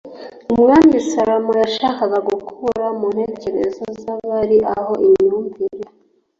umwami salomo yashakaga gukura mu ntekerezo z'abari aho imyumvire